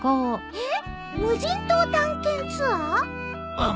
えっ？